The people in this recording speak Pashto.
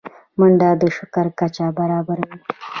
منډه د شکر کچه برابروي